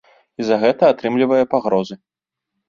І за гэта атрымлівае пагрозы.